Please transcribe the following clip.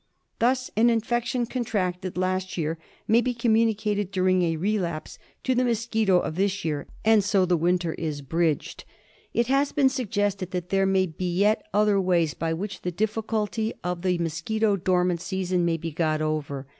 Thus an infection contracted last year may be communicated during a relapse to the mosquito of this year ; and so the winter is bridged. It has been suggested that there may be yet other ways by which the difficulty of the mosquito dormant season may be got over.